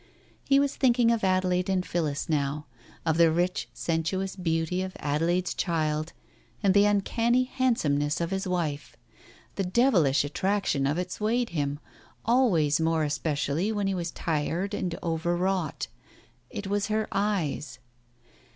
... He was thinking of Adelaide and Phillis now — of the rich sensuous beauty of Adelaide's child, and the un canny handsomeness of his wife. The devilish attraction of it swayed him, always more especially when he was tired and overwrought. It was her eyes.